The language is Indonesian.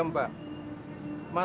hebat katamu kan